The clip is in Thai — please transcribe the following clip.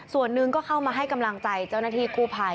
ส่วนหนึ่งก็เข้ามาให้กำลังใจเจ้าหน้าที่กู้ภัย